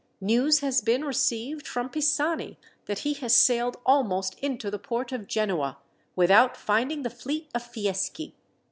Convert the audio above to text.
News has been received from Pisani that he has sailed almost into the port of Genoa, without finding the fleet of Fieschi.